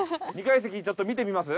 ２階席ちょっと見てみます？